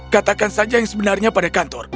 katakan saja yang sebenarnya pada kantor